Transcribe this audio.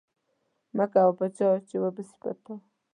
مکوه په چا چی و به سی په تا